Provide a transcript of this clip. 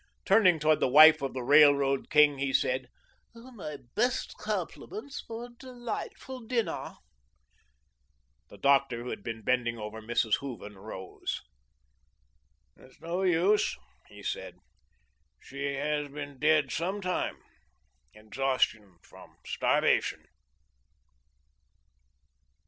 Turning towards the wife of the Railroad King, he said: "My best compliments for a delightful dinner." The doctor who had been bending over Mrs. Hooven, rose. "It's no use," he said; "she has been dead some time exhaustion from starvation."